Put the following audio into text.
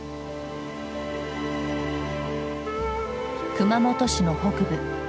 熊本市の北部。